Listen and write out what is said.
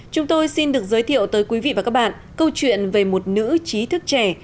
chúng tôi xin được giới thiệu tới quý vị và các bạn câu chuyện về một nữ trí thức trẻ